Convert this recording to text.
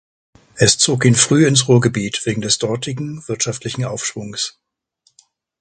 Es zog ihn früh ins Ruhrgebiet wegen des dortigen wirtschaftlichen Aufschwungs.